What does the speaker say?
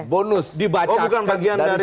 bonus dibacakkan dari semua intervj